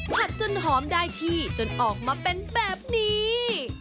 จนหอมได้ที่จนออกมาเป็นแบบนี้